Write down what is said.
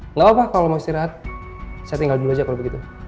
nggak apa apa kalau mau istirahat saya tinggal dulu aja kalau begitu